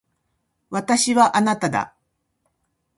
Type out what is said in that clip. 私はあなただ。